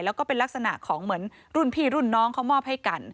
แล้วก็เป็นลักษณะของเหมือนรุ่นพี่รุ่นน้องเขามอบให้กัน